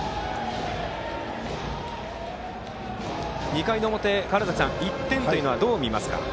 ２回の表、川原崎さん１点というのはどう見ますか？